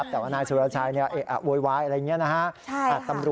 แต่ว่านายศัลยาชายโว้ยว้ายอะไรอย่างนี้นะคะ